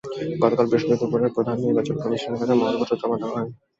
গতকাল বৃহস্পতিবার দুপুরে প্রধান নির্বাচন কমিশনারের কাছে মনোনয়নপত্র জমা দেওয়া হয়।